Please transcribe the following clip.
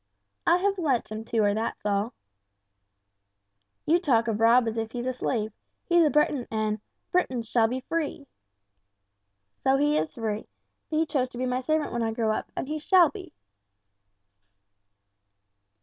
"I have lent him to her, that's all." "You talk of Rob as if he is a slave. He's a Briton, and 'Britons shall be free!'" "So he is free, but he chose to be my servant when I grow up, and he shall be!"